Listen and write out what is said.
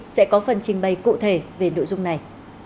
sẽ có phần trình bày cụ thể về nội dung này